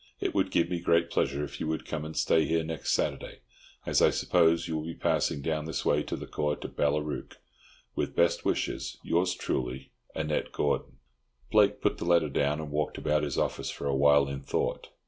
It would give me great pleasure if you would come and stay here next Saturday, as I suppose you will be passing down this way to the Court at Ballarook. With best wishes, Yours truly, ANNETTE GORDON. Blake put the letter down and walked about his office for a while in thought.